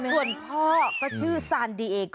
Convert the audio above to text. ส่วนพ่อก็ชื่อซานดีเอง